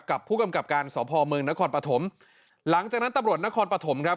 กับผู้กำกับการสพเมืองนครปฐมหลังจากนั้นตำรวจนครปฐมครับ